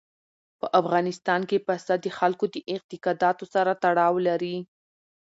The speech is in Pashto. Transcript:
په افغانستان کې پسه د خلکو د اعتقاداتو سره تړاو لري.